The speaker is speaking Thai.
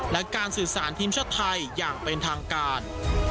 และการสื่อสารทีมชาติไทยอย่างเป็นทางการ